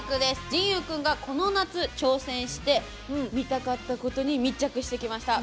じんゆう君がこの夏挑戦してみたかったことに密着してきました。